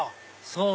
そう！